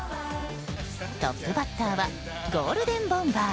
トップバッターはゴールデンボンバー。